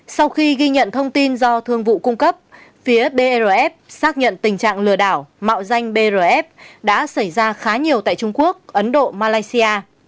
sau khi ghi nhận thông tin do thương vụ cung cấp phía brf xác nhận tình trạng lừa đảo mạo danh brf đã xảy ra khá nhiều tại trung quốc ấn độ malaysia